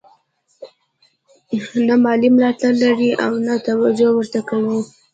نه مالي ملاتړ لري او نه توجه ورته کوي.